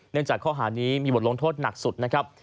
จากข้อหานี้มีบทลงโทษหนักสุดนะครับ